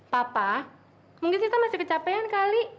papa mungkin kita masih kecapean kali